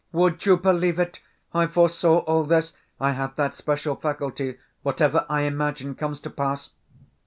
"Would you believe it, I foresaw all this! I have that special faculty, whatever I imagine comes to pass.